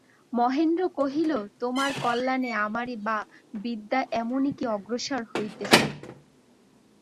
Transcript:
মহেন্দ্র কহিল, তোমার কল্যাণে আমারই বা বিদ্যা এমনই কী অগ্রসর হইতেছে।